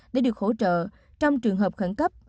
để được hỗ trợ trong trường hợp khẩn cấp